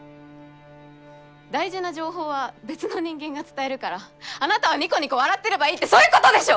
大事な情報は別の人間が伝えるからあなたはニコニコ笑ってればいいってそういうことでしょ！？